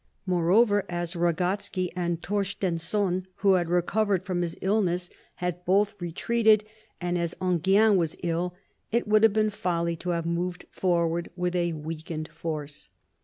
Moreover, as Ragotsky and Torstenson, who had recovered from his illness, had both retreated, and as Enghien was ill, it would have been folly to have moved forward with a weakened force.